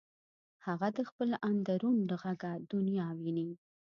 هغه د خپل اندرون له غږه دنیا ویني